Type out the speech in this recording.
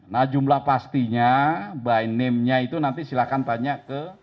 nah jumlah pastinya by name nya itu nanti silahkan tanya ke